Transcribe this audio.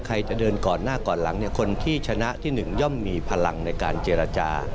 ใครจะเดินก่อนหน้าก่อนหลังคนที่ชนะที่๑ย่อมมีพลังในการเจรจา